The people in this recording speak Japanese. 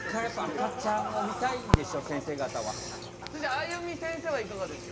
あゆみせんせいはいかがですか？